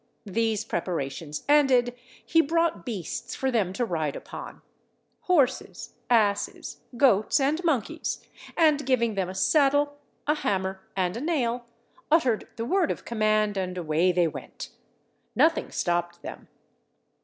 These preparations ended, he brought beasts for them to ride upon, horses, asses, goats, and monkeys; and giving them a saddle, a hammer, and a nail, uttered the word of command, and away they went. Nothing stopped them.